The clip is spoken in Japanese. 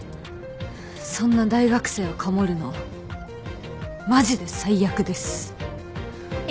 そんな大学生をかもるのマジで最悪です。